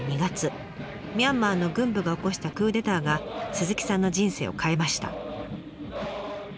ミャンマーの軍部が起こしたクーデターが鈴木さんの人生を変えました。